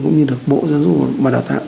cũng như được bộ giáo dục và đào tạo